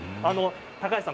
高橋さん